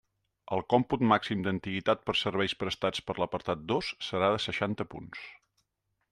El còmput màxim d'antiguitat per serveis prestats per l'apartat dos serà de seixanta punts.